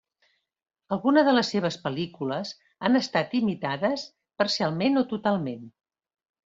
Algunes de les seves pel·lícules han estat imitades parcialment o totalment.